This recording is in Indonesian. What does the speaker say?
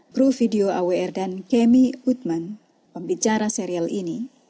gru video awr dan kemi utman pembicara serial ini